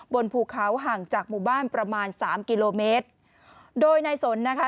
บนภูเขาห่างจากหมู่บ้านประมาณสามกิโลเมตรโดยนายสนนะคะ